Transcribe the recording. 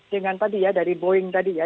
dengan tadi ya dari boeing tadi ya